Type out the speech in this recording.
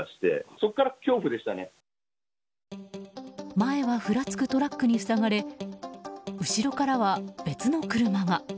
前はふらつくトラックに塞がれ後ろからは別の車が。